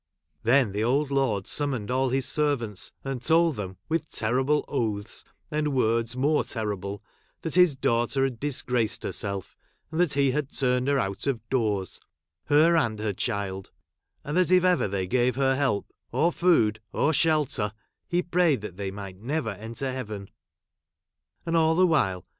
Then ' the old lord summoned all his servants, and told them, Avith terrible oaths, and Avords more terrible, that his daughter had dis¬ graced herself, and that he had turned her out of doors, — her, and her child, — and that if ever they gave her help, — or food — or jj shelter, — he prayed that they might never ' enter Heaven. And, all the while.